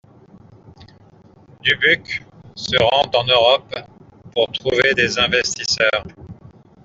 Dubuc, se rend en Europe pour trouver des investisseurs.